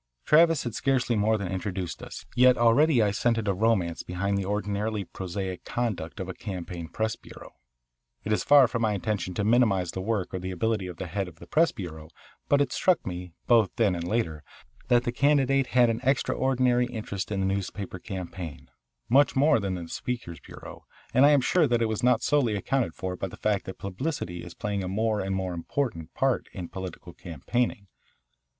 Travis had scarcely more than introduced us, yet already I scented a romance behind the ordinarily prosaic conduct of a campaign press bureau. It is far from my intention to minimise the work or the ability of the head of the press bureau, but it struck me, both then and later, that the candidate had an extraordinary interest in the newspaper campaign, much more than in the speakers' bureau, and I am sure that it was not solely accounted for by the fact that publicity is playing a more and more important part in political campaigning.